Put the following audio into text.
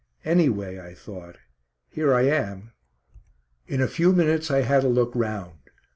"Anyway," I thought, "here I am." In a few minutes I had a look round.